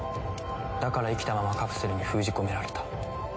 だから生きたままカプセルに封じ込められた。